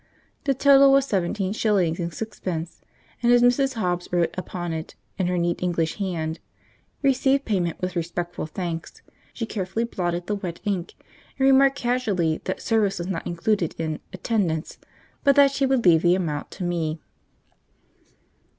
The total was seventeen shillings and sixpence, and as Mrs. Hobbs wrote upon it, in her neat English hand, 'Received payment, with respectful thanks,' she carefully blotted the wet ink, and remarked casually that service was not included in 'attendance,' but that she would leave the amount to me.